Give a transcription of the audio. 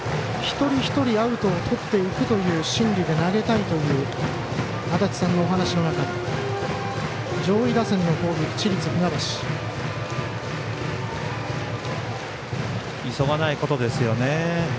一人一人アウトをとっていくという心理で投げたいという足達さんのお話の中急がないことですよね。